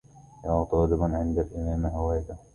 يا طالبا عند الإمام هوادة